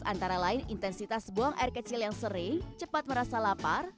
antara lain intensitas buang air kecil yang sering cepat merasa lapar